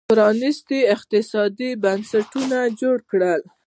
پرانېستي اقتصادي بنسټونه جوړ کړل